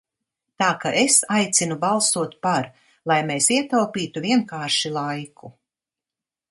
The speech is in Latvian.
"Tā ka es aicinu balsot "par", lai mēs ietaupītu vienkārši laiku."